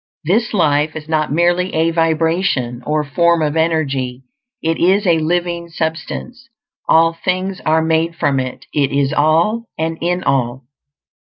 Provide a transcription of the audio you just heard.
This Life is not merely a vibration, or form of energy; it is a Living Substance. All things are made from it; it is All, and in all.